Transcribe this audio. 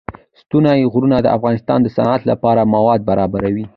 ستوني غرونه د افغانستان د صنعت لپاره مواد برابروي.